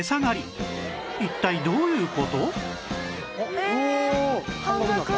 一体どういう事？